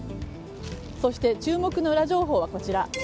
そして、注目のウラ情報はこちら。